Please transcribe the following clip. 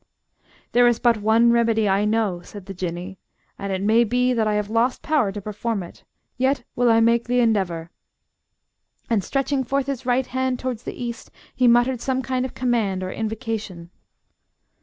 "There is but one remedy I know," said the Jinnee, "and it may be that I have lost power to perform it. Yet will I make the endeavour." And, stretching forth his right hand towards the east, he muttered some kind of command or invocation.